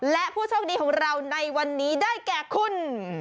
และผู้โชคดีของเราในวันนี้ได้แก่คุณ